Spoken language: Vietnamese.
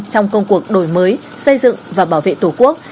trong công cuộc đổi mới xây dựng và bảo vệ tổ quốc